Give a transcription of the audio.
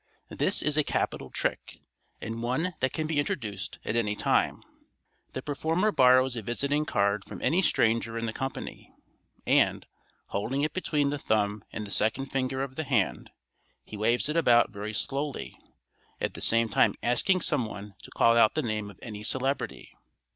—This is a capital trick, and one that can be introduced at any time. The performer borrows a visiting card from any stranger in the company, and, holding it between the thumb and the second finger of the hand, he waves it about very slowly, at the same time asking someone to call out the name of any celebrity.